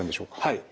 はい。